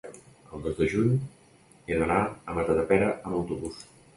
el dos de juny he d'anar a Matadepera amb autobús.